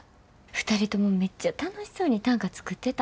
２人ともめっちゃ楽しそうに短歌作ってた。